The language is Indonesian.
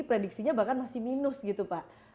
prediksinya bahkan masih minus gitu pak